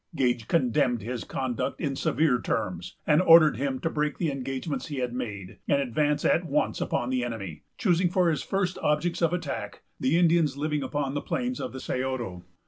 Gage condemned his conduct in severe terms, and ordered him to break the engagements he had made, and advance at once upon the enemy, choosing for his first objects of attack the Indians living upon the plains of the Scioto.